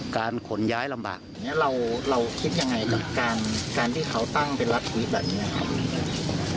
การขนย้ายลำบากอย่างนี้เราคิดยังไงกับการที่เขาตั้งเป็นรัฐวิทย์แบบนี้ครับ